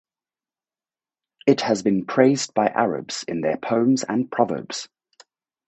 It has been praised by Arabs in their poems and proverbs.